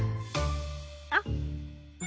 あっ。